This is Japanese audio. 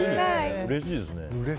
うれしいですね。